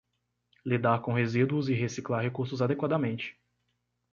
Lidar com resíduos e reciclar recursos adequadamente